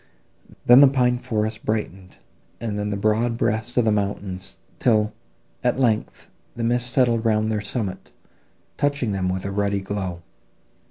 Then, the pine forests brightened, and then the broad breast of the mountains, till, at length, the mist settled round their summit, touching them with a ruddy glow.